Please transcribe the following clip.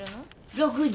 ６時。